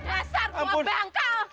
dasar tua bangka